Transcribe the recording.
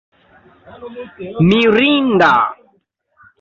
mirinda